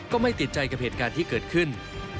ก็ไม่ติดใจกับเหตุการณ์ที่เกิดขึ้น